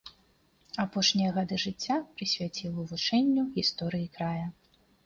Апошнія гады жыцця прысвяціў вывучэнню гісторыі края.